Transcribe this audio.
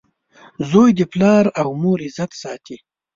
• زوی د پلار او مور عزت ساتي.